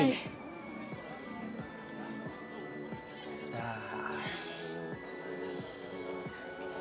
ああ！